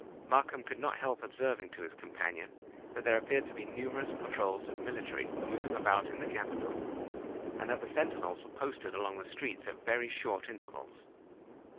Markham could not help observing to his companion that there appeared to be numerous patrols of military moving about in the capital, and that the sentinels were posted along the streets at very short intervals.